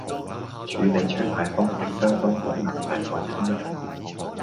處理槍械方式相當可能危害他人